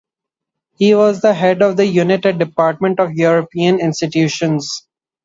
He was head of the unit at the Department of European Institutions.